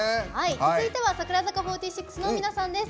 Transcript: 続いては櫻坂４６の皆さんです。